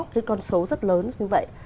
cái con số rất lớn như vậy